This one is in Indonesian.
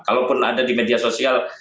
kalaupun ada di media sosial